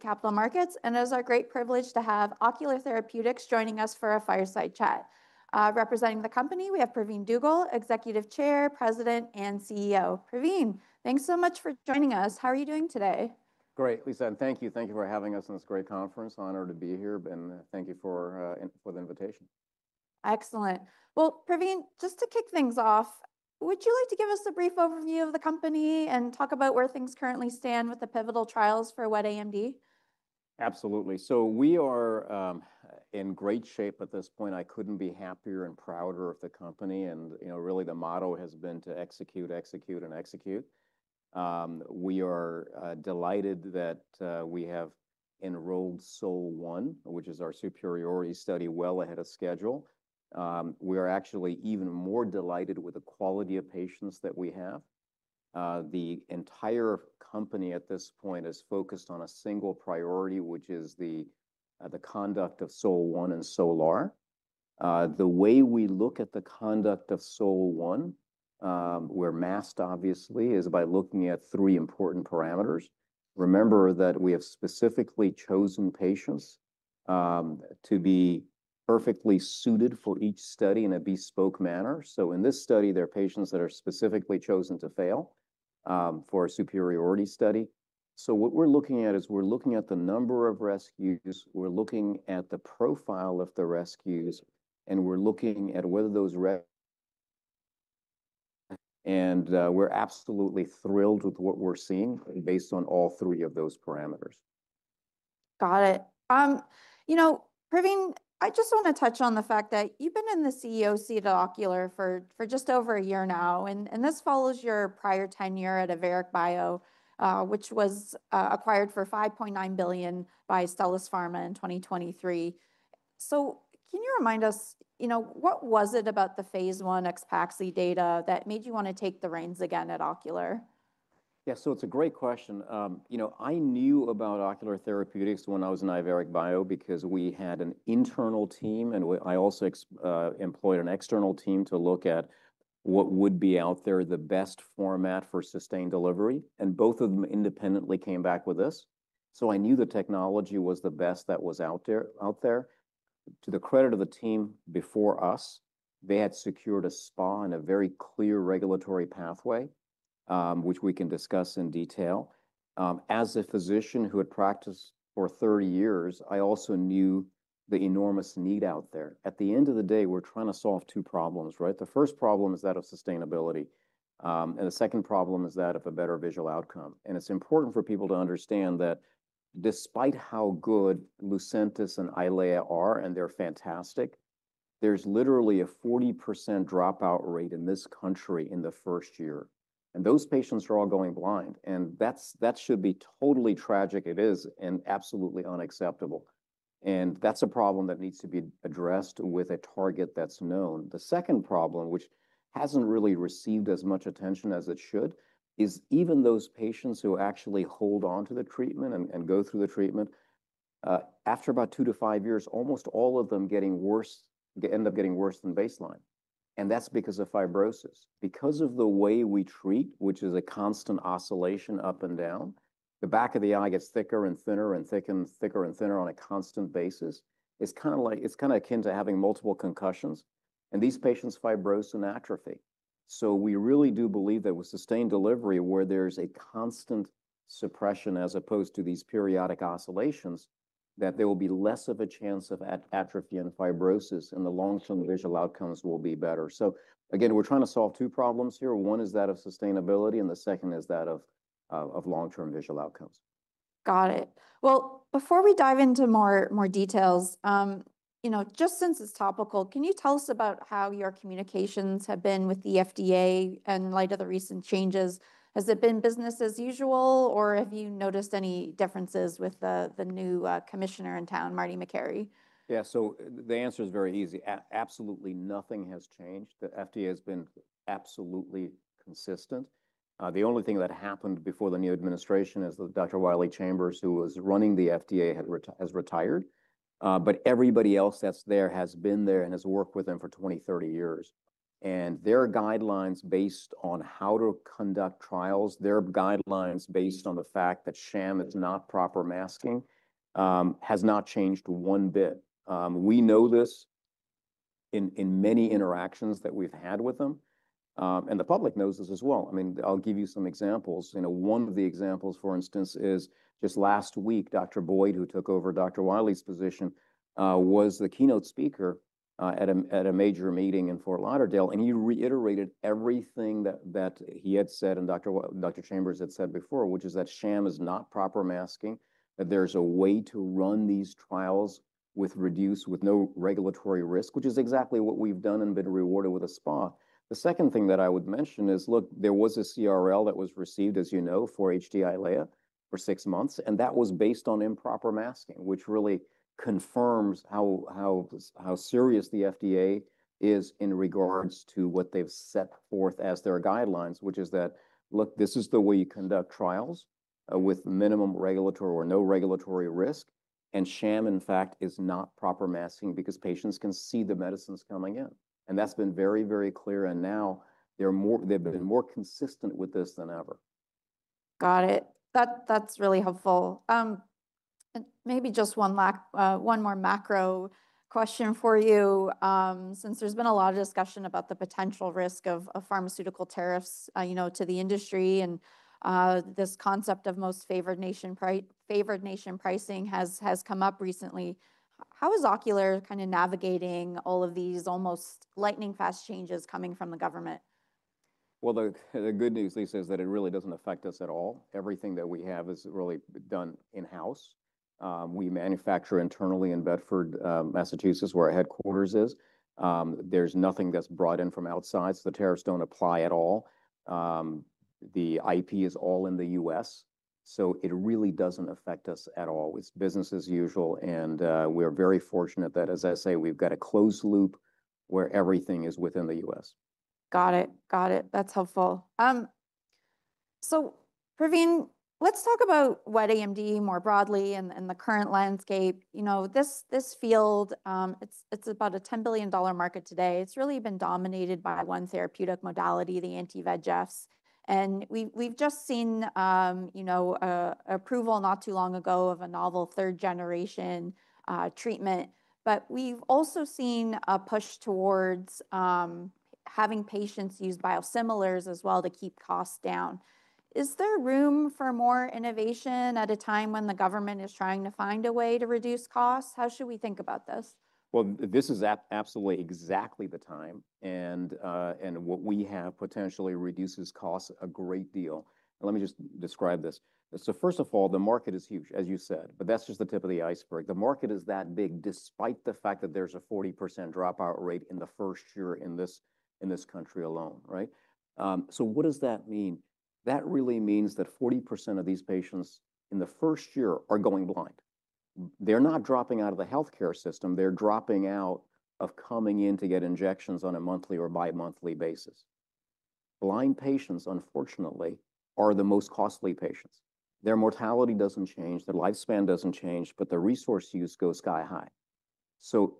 Capital Markets, and it is our great privilege to have Ocular Therapeutix joining us for a fireside chat. Representing the company, we have Pravin Dugel, Executive Chair, President, and CEO. Pravin, thanks so much for joining us. How are you doing today? Great, Lisa, and thank you. Thank you for having us in this great conference. Honored to be here, and thank you for the invitation. Excellent. Pravin, just to kick things off, would you like to give us a brief overview of the company and talk about where things currently stand with the pivotal trials for Wet AMD? Absolutely. We are in great shape at this point. I couldn't be happier and prouder of the company. Really, the motto has been to execute, execute, and execute. We are delighted that we have enrolled SOL-1, which is our superiority study, well ahead of schedule. We are actually even more delighted with the quality of patients that we have. The entire company at this point is focused on a single priority, which is the conduct of SOL-1 and SOL-R. The way we look at the conduct of SOL-1, we're masked, obviously, is by looking at three important parameters. Remember that we have specifically chosen patients to be perfectly suited for each study in a bespoke manner. In this study, there are patients that are specifically chosen to fail for a superiority study. What we're looking at is we're looking at the number of rescues, we're looking at the profile of the rescues, and we're looking at whether those rescues. We're absolutely thrilled with what we're seeing based on all three of those parameters. Got it. You know, Pravin, I just want to touch on the fact that you've been in the CEO seat of Ocular for just over a year now, and this follows your prior tenure at Iveric Bio, which was acquired for $5.9 billion by AbbVie in 2023. So can you remind us, you know, what was it about the phase I AXPAXLI data that made you want to take the reins again at Ocular? Yeah, so it's a great question. You know, I knew about Ocular Therapeutix when I was in Iveric Bio because we had an internal team, and I also employed an external team to look at what would be out there the best format for sustained delivery. And both of them independently came back with this. So I knew the technology was the best that was out there. To the credit of the team before us, they had secured a SPA and a very clear regulatory pathway, which we can discuss in detail. As a physician who had practiced for 30 years, I also knew the enormous need out there. At the end of the day, we're trying to solve two problems, right? The first problem is that of sustainability, and the second problem is that of a better visual outcome. It is important for people to understand that despite how good Lucentis and Eylea are, and they are fantastic, there is literally a 40% dropout rate in this country in the first year. Those patients are all going blind, and that should be totally tragic. It is absolutely unacceptable. That is a problem that needs to be addressed with a target that is known. The second problem, which has not really received as much attention as it should, is even those patients who actually hold on to the treatment and go through the treatment, after about two to five years, almost all of them end up getting worse than baseline. That is because of fibrosis. Because of the way we treat, which is a constant oscillation up and down, the back of the eye gets thicker and thinner and thicker and thicker and thinner on a constant basis. It's kind of like it's kind of akin to having multiple concussions, and these patients fibrose and atrophy. We really do believe that with sustained delivery, where there's a constant suppression as opposed to these periodic oscillations, there will be less of a chance of atrophy and fibrosis, and the long-term visual outcomes will be better. Again, we're trying to solve two problems here. One is that of sustainability, and the second is that of long-term visual outcomes. Got it. Before we dive into more details, you know, just since it's topical, can you tell us about how your communications have been with the FDA in light of the recent changes? Has it been business as usual, or have you noticed any differences with the new commissioner in town, Marty Makary? Yeah, so the answer is very easy. Absolutely nothing has changed. The FDA has been absolutely consistent. The only thing that happened before the new administration is that Dr. Wiley Chambers, who was running the FDA, has retired. Everybody else that's there has been there and has worked with them for 20, 30 years. Their guidelines based on how to conduct trials, their guidelines based on the fact that sham is not proper masking, has not changed one bit. We know this in many interactions that we've had with them, and the public knows this as well. I mean, I'll give you some examples. You know, one of the examples, for instance, is just last week, Dr. Boyd, who took over Dr. Wiley's position, was the keynote speaker at a major meeting in Fort Lauderdale, and he reiterated everything that he had said and Dr. Chambers had said before, which is that sham is not proper masking, that there's a way to run these trials with reduced, with no regulatory risk, which is exactly what we've done and been rewarded with a SPA. The second thing that I would mention is, look, there was a CRL that was received, as you know, for HD EYLEA for six months, and that was based on improper masking, which really confirms how serious the FDA is in regards to what they've set forth as their guidelines, which is that, look, this is the way you conduct trials with minimum regulatory or no regulatory risk, and sham, in fact, is not proper masking because patients can see the medicines coming in. That's been very, very clear, and now they've been more consistent with this than ever. Got it. That's really helpful. Maybe just one more macro question for you. Since there's been a lot of discussion about the potential risk of pharmaceutical tariffs, you know, to the industry, and this concept of most favored nation pricing has come up recently, how is Ocular kind of navigating all of these almost lightning-fast changes coming from the government? The good news, Lisa, is that it really doesn't affect us at all. Everything that we have is really done in-house. We manufacture internally in Bedford, Massachusetts, where our headquarters is. There's nothing that's brought in from outside, so the tariffs don't apply at all. The IP is all in the US, so it really doesn't affect us at all. It's business as usual, and we're very fortunate that, as I say, we've got a closed loop where everything is within the U.S.. Got it. Got it. That's helpful. Pravin, let's talk about Wet AMD more broadly and the current landscape. You know, this field, it's about a $10 billion market today. It's really been dominated by one therapeutic modality, the Anti-VEGFs. We've just seen, you know, approval not too long ago of a novel third-generation treatment, but we've also seen a push towards having patients use biosimilars as well to keep costs down. Is there room for more innovation at a time when the government is trying to find a way to reduce costs? How should we think about this? This is absolutely exactly the time, and what we have potentially reduces costs a great deal. Let me just describe this. First of all, the market is huge, as you said, but that's just the tip of the iceberg. The market is that big despite the fact that there's a 40% dropout rate in the first year in this country alone, right? What does that mean? That really means that 40% of these patients in the first year are going blind. They're not dropping out of the healthcare system. They're dropping out of coming in to get injections on a monthly or bimonthly basis. Blind patients, unfortunately, are the most costly patients. Their mortality doesn't change, their lifespan doesn't change, but their resource use goes sky high.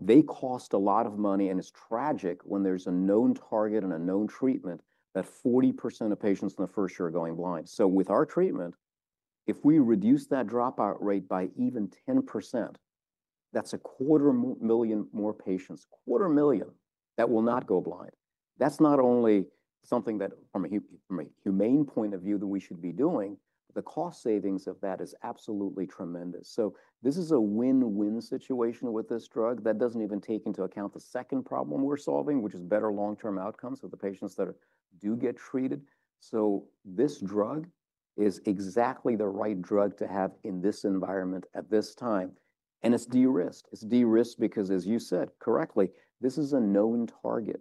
They cost a lot of money, and it's tragic when there's a known target and a known treatment that 40% of patients in the first year are going blind. With our treatment, if we reduce that dropout rate by even 10%, that's a quarter million more patients, a quarter million that will not go blind. That's not only something that, from a humane point of view, we should be doing, the cost savings of that is absolutely tremendous. This is a win-win situation with this drug that doesn't even take into account the second problem we're solving, which is better long-term outcomes of the patients that do get treated. This drug is exactly the right drug to have in this environment at this time, and it's de-risked. It's de-risked because, as you said correctly, this is a known target.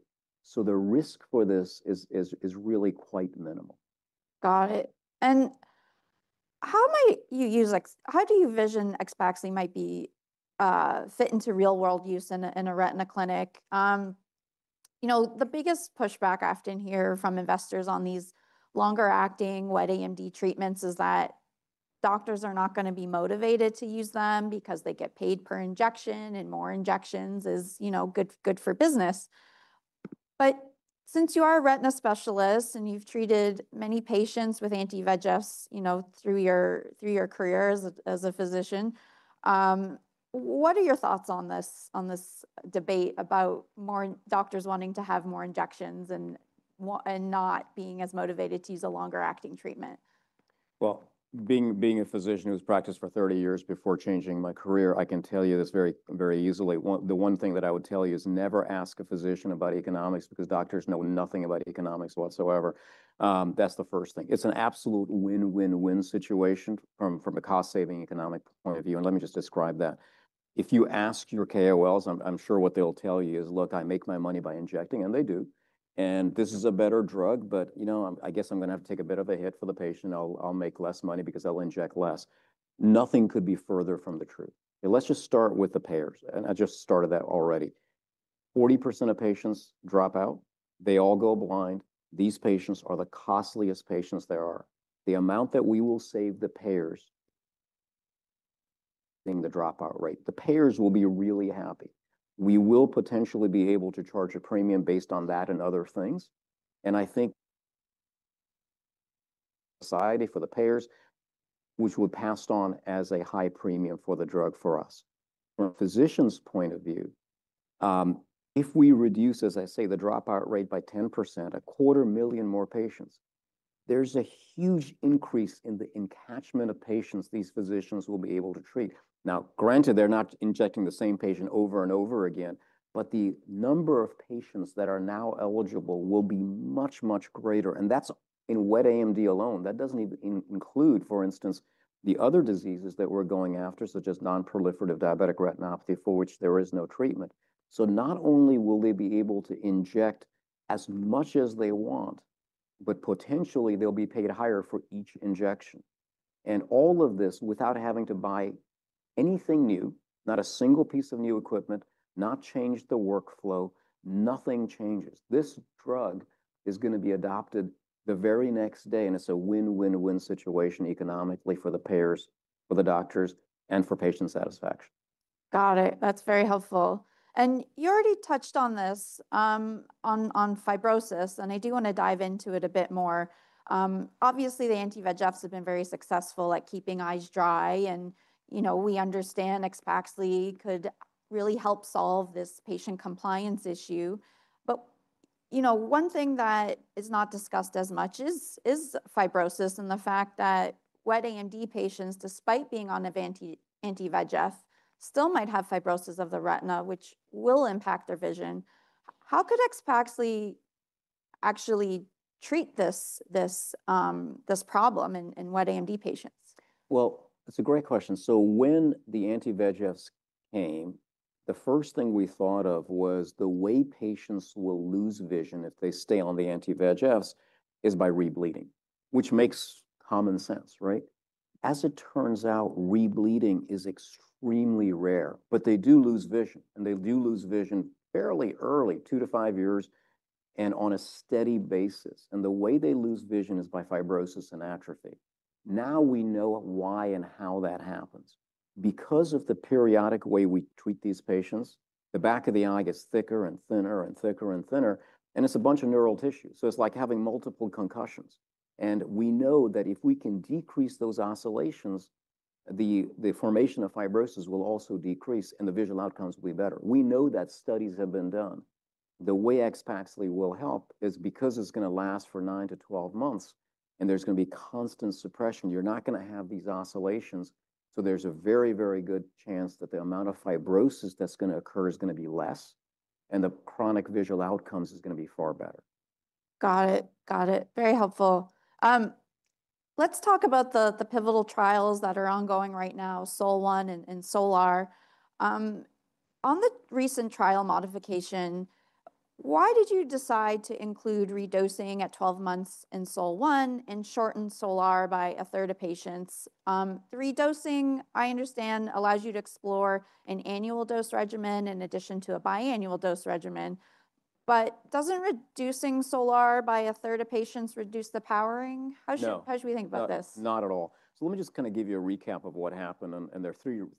The risk for this is really quite minimal. Got it. And how might you use, like, how do you vision AXPAXLI might be fit into real-world use in a retina clinic? You know, the biggest pushback often heard from investors on these longer-acting Wet AMD treatments is that doctors are not going to be motivated to use them because they get paid per injection, and more injections is, you know, good for business. Since you are a retina specialist and you've treated many patients with Anti-VEGFs, you know, through your career as a physician, what are your thoughts on this debate about more doctors wAnting to have more injections and not being as motivated to use a longer-acting treatment? Being a physician who's practiced for 30 years before changing my career, I can tell you this very easily. The one thing that I would tell you is never ask a physician about economics because doctors know nothing about economics whatsoever. That's the first thing. It's an absolute win-win-win situation from a cost-saving economic point of view. Let me just describe that. If you ask your KOLs, I'm sure what they'll tell you is, "Look, I make my money by injecting," and they do. This is a better drug, but, you know, I guess I'm going to have to take a bit of a hit for the patient. I'll make less money because I'll inject less. Nothing could be further from the truth. Let's just start with the payers. I just started that already. 40% of patients drop out. They all go blind. These patients are the costliest patients there are. The amount that we will save the payers in the dropout rate, the payers will be really happy. We will potentially be able to charge a premium based on that and other things. I think society for the payers, which would pass on as a high premium for the drug for us. From a physician's point of view, if we reduce, as I say, the dropout rate by 10%, a quarter million more patients, there's a huge increase in the attachment of patients these physicians will be able to treat. Now, granted, they're not injecting the same patient over and over again, but the number of patients that are now eligible will be much, much greater. That's in Wet AMD alone. That doesn't even include, for instance, the other diseases that we're going after, such as non-proliferative diabetic retinopathy, for which there is no treatment. Not only will they be able to inject as much as they want, but potentially they'll be paid higher for each injection. All of this without having to buy anything new, not a single piece of new equipment, not change the workflow, nothing changes. This drug is going to be adopted the very next day, and it's a win-win-win situation economically for the payers, for the doctors, and for patient satisfaction. Got it. That's very helpful. You already touched on this on fibrosis, and I do want to dive into it a bit more. Obviously, the Anti-VEGFs have been very successful at keeping eyes dry, and, you know, we understand AXPAXLI could really help solve this patient compliance issue. You know, one thing that is not discussed as much is fibrosis and the fact that Wet AMD patients, despite being on Anti-VEGF, still might have fibrosis of the retina, which will impact their vision. How could AXPAXLI actually treat this problem in Wet AMD patients? It's a great question. When the Anti-VEGFs came, the first thing we thought of was the way patients will lose vision if they stay on the Anti-VEGFs is by rebleeding, which makes common sense, right? As it turns out, rebleeding is extremely rare, but they do lose vision, and they do lose vision fairly early, two to five years, and on a steady basis. The way they lose vision is by fibrosis and atrophy. Now we know why and how that happens. Because of the periodic way we treat these patients, the back of the eye gets thicker and thinner and thicker and thinner, and it's a bunch of neural tissue. It's like having multiple concussions. We know that if we can decrease those oscillations, the formation of fibrosis will also decrease, and the visual outcomes will be better. We know that studies have been done. The way AXPAXLI will help is because it's going to last for 9-12 months, and there's going to be constant suppression. You're not going to have these oscillations. There is a very, very good chance that the amount of fibrosis that's going to occur is going to be less, and the chronic visual outcomes is going to be far better. Got it. Got it. Very helpful. Let's talk about the pivotal trials that are ongoing right now, SOL-1 and SOL-R. On the recent trial modification, why did you decide to include redosing at 12 months in SOL-1 and shorten SOL-R by a third of patients? The redosing, I understand, allows you to explore an annual dose regimen in addition to a biannual dose regimen, but doesn't reducing SOL-R by a third of patients reduce the powering? How should we think about this? No, not at all. Let me just kind of give you a recap of what happened, and there are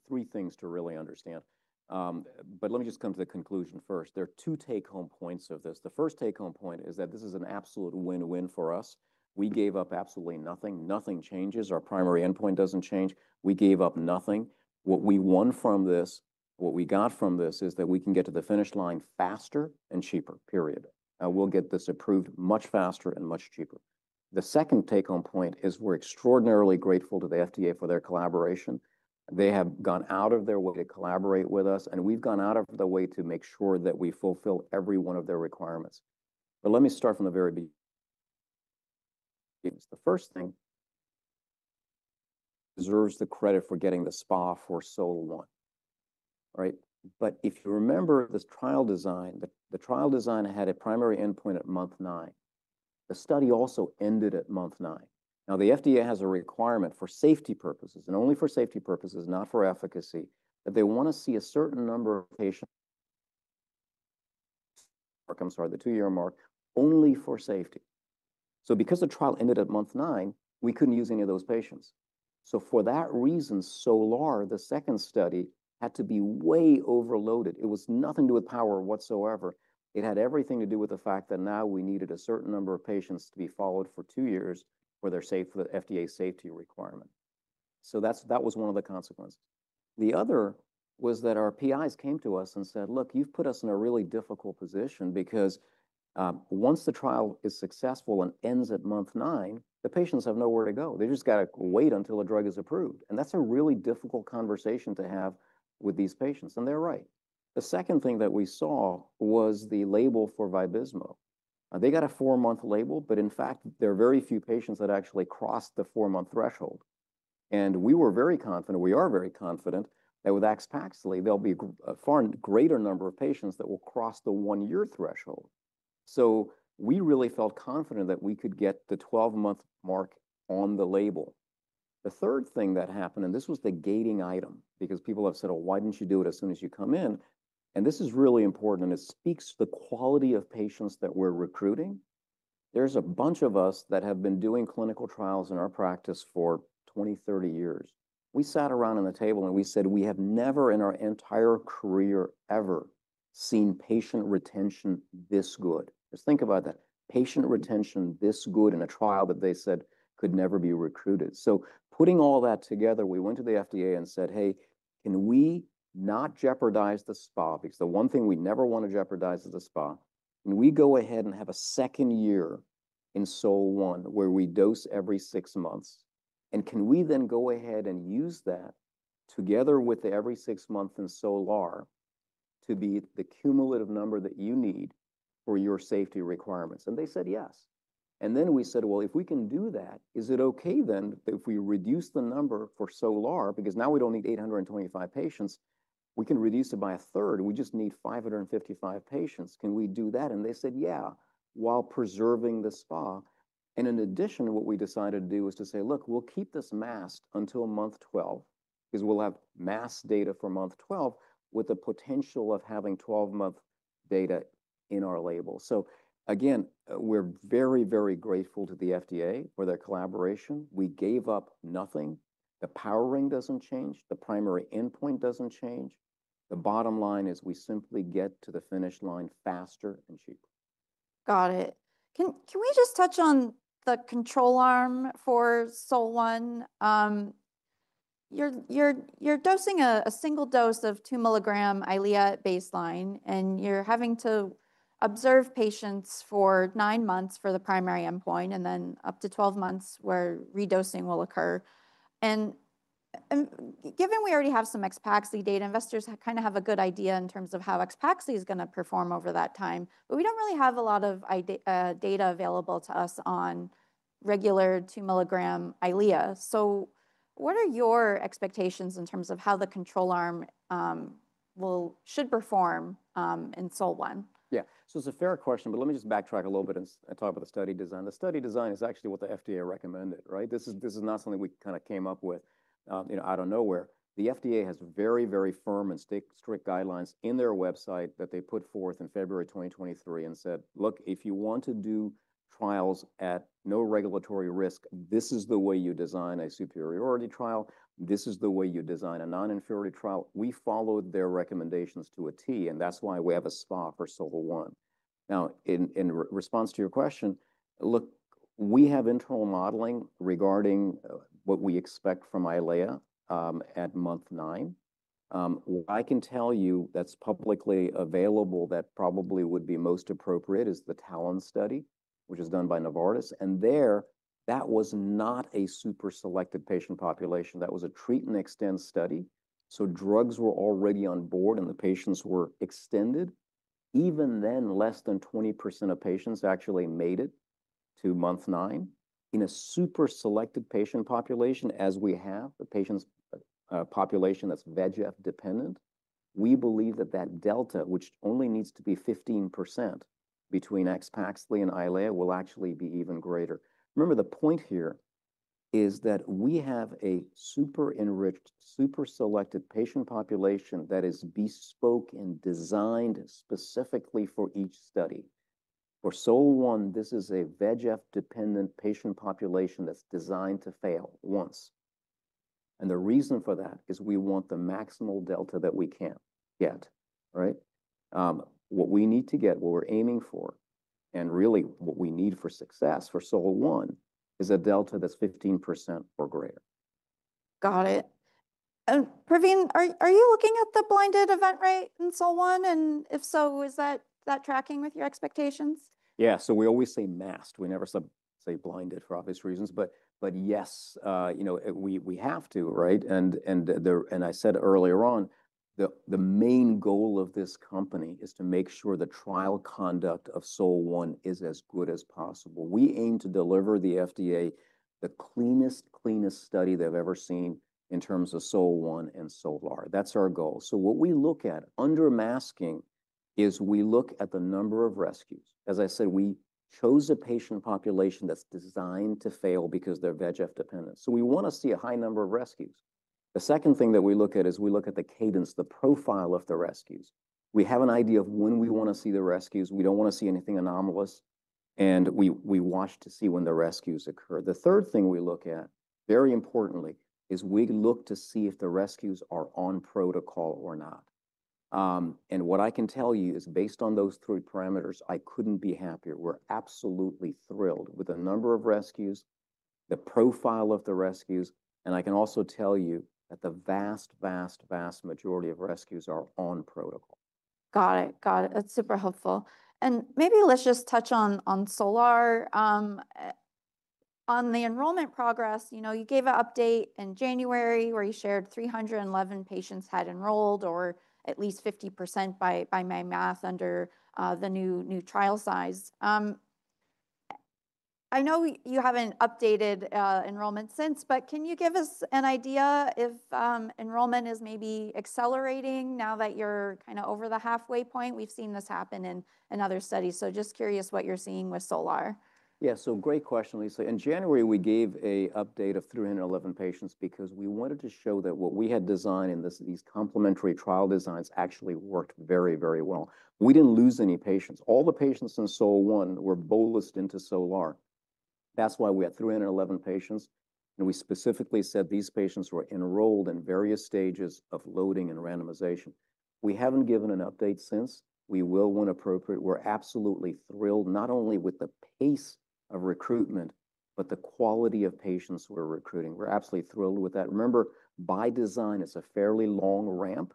three things to really understand. Let me just come to the conclusion first. There are two take-home points of this. The first take-home point is that this is an absolute win-win for us. We gave up absolutely nothing. Nothing changes. Our primary endpoint does not change. We gave up nothing. What we won from this, what we got from this is that we can get to the finish line faster and cheaper, period. We will get this approved much faster and much cheaper. The second take-home point is we are extraordinarily grateful to the FDA for their collaboration. They have gone out of their way to collaborate with us, and we have gone out of the way to make sure that we fulfill every one of their requirements. Let me start from the very beginning. The first thing deserves the credit for getting the SPA for SOL-1, right? If you remember this trial design, the trial design had a primary endpoint at month nine. The study also ended at month nine. Now, the FDA has a requirement for safety purposes, and only for safety purposes, not for efficacy, that they want to see a certain number of patients marked, I'm sorry, the two-year mark only for safety. Because the trial ended at month nine, we couldn't use any of those patients. For that reason, SOL-R, the second study had to be way overloaded. It was nothing to do with power whatsoever. It had everything to do with the fact that now we needed a certain number of patients to be followed for two years where they're safe for the FDA safety requirement. That was one of the consequences. The other was that our PIs came to us and said, "Look, you've put us in a really difficult position because once the trial is successful and ends at month nine, the patients have nowhere to go. They just got to wait until a drug is approved." That is a really difficult conversation to have with these patients, and they're right. The second thing that we saw was the label for Vabysmo. They got a four-month label, but in fact, there are very few patients that actually crossed the four-month threshold. We were very confident, we are very confident that with AXPAXLI, there will be a far greater number of patients that will cross the one-year threshold. We really felt confident that we could get the 12-month mark on the label. The third thing that happened, and this was the gating item because people have said, "Oh, why didn't you do it as soon as you come in?" This is really important, and it speaks to the quality of patients that we're recruiting. There's a bunch of us that have been doing clinical trials in our practice for 20, 30 years. We sat around on the table and we said, "We have never in our entire career ever seen patient retention this good." Just think about that. Patient retention this good in a trial that they said could never be recruited. Putting all that together, we went to the FDA and said, "Hey, can we not jeopardize the SPA?" The one thing we never want to jeopardize is the SPA. Can we go ahead and have a second year in SOL-1 where we dose every six months? Can we then go ahead and use that together with every six months in SOL-R to be the cumulative number that you need for your safety requirements? They said, "Yes." We said, "If we can do that, is it okay if we reduce the number for SOL-R? Because now we do not need 825 patients, we can reduce it by a third. We just need 555 patients. Can we do that?" They said, "Yeah, while preserving the SPA." In addition, what we decided to do was to say, "Look, we will keep this masked until month 12 because we will have masked data for month 12 with the potential of having 12-month data in our label." We are very, very grateful to the FDA for their collaboration. We gave up nothing. The powering does not change. The primary endpoint does not change. The bottom line is we simply get to the finish line faster and cheaper. Got it. Can we just touch on the control arm for SOL-1? You're dosing a single dose of 2mg Eylea at baseline, and you're having to observe patients for nine months for the primary endpoint, and then up to 12 months where redosing will occur. Given we already have some AXPAXLI data, investors kind of have a good idea in terms of how AXPAXLI is going to perform over that time, but we do not really have a lot of data available to us on regular 2mg Eylea. What are your expectations in terms of how the control arm should perform in SOL-1? Yeah. So it's a fair question, but let me just backtrack a little bit and talk about the study design. The study design is actually what the FDA recommended, right? This is not something we kind of came up with, you know, out of nowhere. The FDA has very, very firm and strict guidelines in their website that they put forth in February 2023 and said, "Look, if you want to do trials at no regulatory risk, this is the way you design a superiority trial. This is the way you design a non-inferiority trial." We followed their recommendations to a T, and that's why we have a SPA for SOL-1. Now, in response to your question, look, we have internal modeling regarding what we expect from Eylea at month nine. What I can tell you that's publicly available that probably would be most appropriate is the TALON study, which is done by Novartis. There, that was not a super selected patient population. That was a treatment extend study. Drugs were already on board and the patients were extended. Even then, less than 20% of patients actually made it to month nine. In a super selected patient population, as we have, the patient population that's VEGF dependent, we believe that that delta, which only needs to be 15% between AXPAXLI and Eylea, will actually be even greater. Remember, the point here is that we have a super enriched, super selected patient population that is bespoke and designed specifically for each study. For SOL-1, this is a VEGF dependent patient population that's designed to fail once. The reason for that is we want the maximal delta that we can get, right? What we need to get, what we're aiming for, and really what we need for success for SOL-1 is a delta that's 15% or greater. Got it. Pravin, are you looking at the blinded event rate in SOL-1? If so, is that tracking with your expectations? Yeah. We always say masked. We never say blinded for obvious reasons, but yes, you know, we have to, right? I said earlier on, the main goal of this company is to make sure the trial conduct of SOL-1 is as good as possible. We aim to deliver the FDA the cleanest, cleanest study they've ever seen in terms of SOL-1 and SOL-R. That's our goal. What we look at under masking is we look at the number of rescues. As I said, we chose a patient population that's designed to fail because they're VEGF dependent. We want to see a high number of rescues. The second thing that we look at is we look at the cadence, the profile of the rescues. We have an idea of when we want to see the rescues. We don't want to see anything anomalous, and we watch to see when the rescues occur. The third thing we look at, very importantly, is we look to see if the rescues are on protocol or not. What I can tell you is based on those three parameters, I couldn't be happier. We're absolutely thrilled with the number of rescues, the profile of the rescues, and I can also tell you that the vast, vast, vast majority of rescues are on protocol. Got it. Got it. That's super helpful. Maybe let's just touch on SOL-R. On the enrollment progress, you know, you gave an update in January where you shared 311 patients had enrolled or at least 50% by my math under the new trial size. I know you haven't updated enrollment since, but can you give us an idea if enrollment is maybe accelerating now that you're kind of over the halfway point? We've seen this happen in other studies. Just curious what you're seeing with SOL-R. Yeah. Great question, Lisa. In January, we gave an update of 311 patients because we wanted to show that what we had designed in these complementary trial designs actually worked very, very well. We did not lose any patients. All the patients in SOL-1 were bolused into SOL-R. That is why we had 311 patients. We specifically said these patients were enrolled in various stages of loading and randomization. We have not given an update since. We will when appropriate. We are absolutely thrilled not only with the pace of recruitment, but the quality of patients we are recruiting. We are absolutely thrilled with that. Remember, by design, it is a fairly long ramp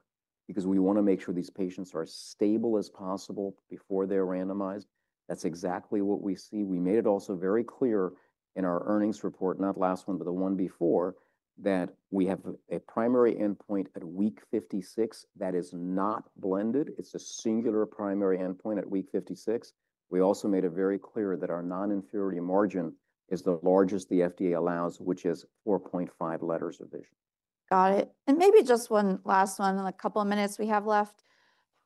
because we want to make sure these patients are as stable as possible before they are randomized. That is exactly what we see. We made it also very clear in our earnings report, not last one, but the one before, that we have a primary endpoint at week 56 that is not blended. It is a singular primary endpoint at week 56. We also made it very clear that our non-inferiority margin is the largest the FDA allows, which is 4.5 letters of vision. Got it. Maybe just one last one in the couple of minutes we have left.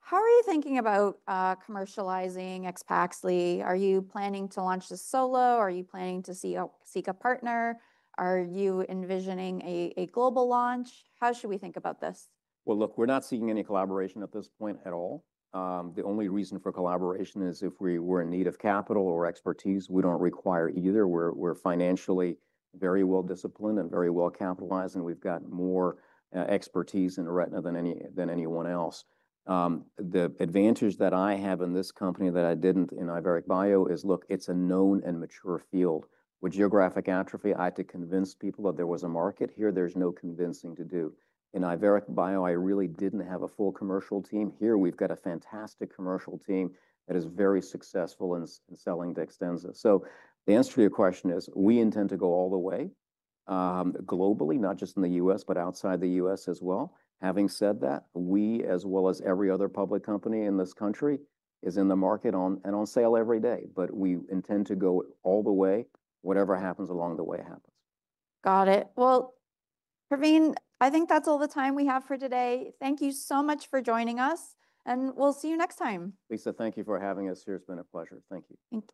How are you thinking about commercializing AXPAXLI? Are you planning to launch this solo? Are you planning to seek a partner? Are you envisioning a global launch? How should we think about this? Look, we're not seeing any collaboration at this point at all. The only reason for collaboration is if we were in need of capital or expertise. We don't require either. We're financially very well disciplined and very well capitalized, and we've got more expertise in retina than anyone else. The advantage that I have in this company that I didn't in Iveric Bio is, look, it's a known and mature field. With geographic atrophy, I had to convince people that there was a market here. There's no convincing to do. In Iveric Bio, I really didn't have a full commercial team. Here, we've got a fantastic commercial team that is very successful in selling DEXTENZA. The answer to your question is we intend to go all the way globally, not just in the U.S., but outside the U.S. as well. Having said that, we, as well as every other public company in this country, are in the market and on sale every day, but we intend to go all the way. Whatever happens along the way happens. Got it. Pravin, I think that's all the time we have for today. Thank you so much for joining us, and we'll see you next time. Lisa, thank you for having us here. It's been a pleasure. Thank you.